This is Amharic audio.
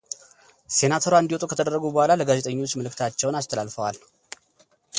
ሴናተሯ እንዲወጡ ከተደረጉ በኋላ ለጋዜጠኞች መልዕክታቸውን አስተላልፈዋል።